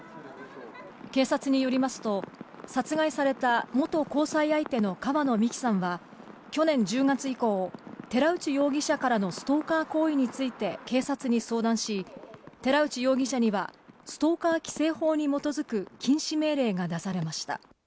警察によりますと、殺害された元交際相手の川野美樹さんは去年１０月以降、寺内容疑者からのストーカー行為について、警察に相談し、寺内容疑者にはストーカー規制法に基づく禁止命令が出されました。